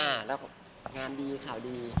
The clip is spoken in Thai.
แล้วงานดีข่าวดี